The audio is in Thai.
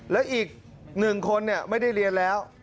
และอีก๑คนไม่ได้เรียนแล้ว